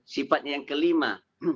sifatnya yang kelima